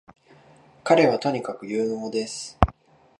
彼はとにかく有能です